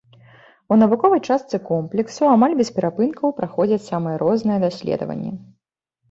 У навуковай частцы комплексу амаль без перапынкаў праходзяць самыя розныя даследаванні.